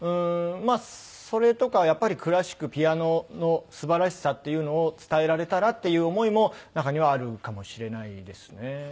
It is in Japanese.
まあそれとかやっぱりクラシックピアノのすばらしさっていうのを伝えられたらっていう思いも中にはあるかもしれないですね。